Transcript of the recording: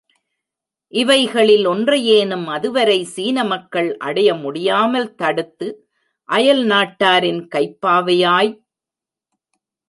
இவைகளில் ஒன்றையேனும் அதுவரை சீன மக்கள் அடைய முடியாமல் தடுத்து, அயல் நாட்டாரின் கைப்பாவையாய்.